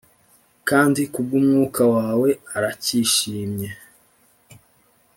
kandi kubwumwuka wawe aracyishimye,